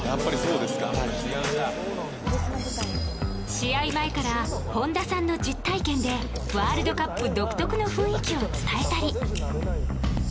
試合前から本田さんの実体験でワールドカップ独特の雰囲気を伝えたり。